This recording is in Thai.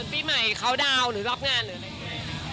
ปีใหม่เขาดาวน์หรือรับงานหรืออะไรอย่างนี้